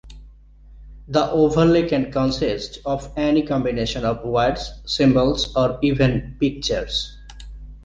The overlay can consist of any combination of words, symbols, or even pictures.